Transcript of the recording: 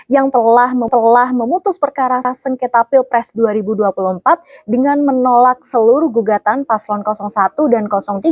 yang telah memutus perkara sengketa pilpres dua ribu dua puluh empat dengan menolak seluruh gugatan paslon satu dan tiga